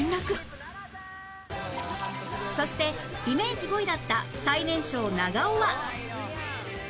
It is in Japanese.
そしてイメージ５位だった最年少長尾は